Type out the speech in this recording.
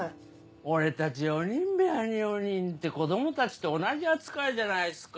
俺たち４人部屋に４人って子供たちと同じ扱いじゃないっすか。